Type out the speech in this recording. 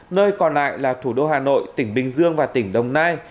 nơi còn lại là thủ đô hà nội tỉnh bình dương và tỉnh đồng nai